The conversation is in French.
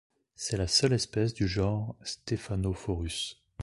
C'est la seule espèce du genre Stephanophorus.